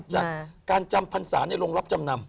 จากการจำพรรษาในโรงรับจำนำ